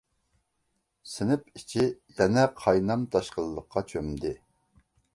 سىنىپ ئىچى يەنە قاينام-تاشقىنلىققا چۆمدى.